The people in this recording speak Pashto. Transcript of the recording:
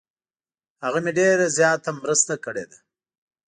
هغه مې ډیر زیاته مرسته کړې ده.